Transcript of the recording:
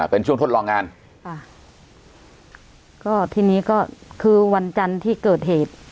เป็นช่วงทดลองงานค่ะก็ทีนี้ก็คือวันจันทร์ที่เกิดเหตุ